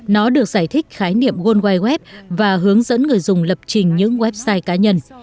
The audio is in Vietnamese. nó được giải thích khái niệm world wide web và hướng dẫn người dùng lập trình những website cá nhân